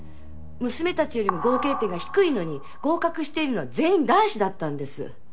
娘たちよりも合計点が低いのに合格しているのは全員男子だったんです。